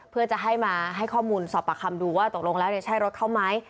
เพื่อจะให้มาให้ข้อมูลสอบปากคำดูว่าตกลงแล้วใช่รถเขาไหม